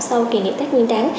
sau kỷ niệm tết nguyên đáng